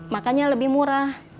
makanya lebih murah